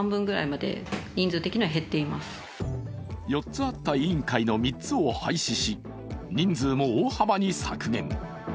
４つあった委員会の３つを廃止し、人数も大幅に削減。